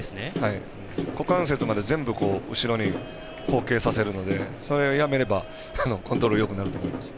股関節まで、全部後ろに後傾させるのでそれをやめればコントロールよくなると思います。